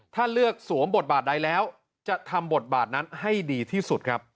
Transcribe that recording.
ถ้าเลือกสวมบทบาทใดแล้วจะทำบทบาทนั้นให้ดีที่สุดครับ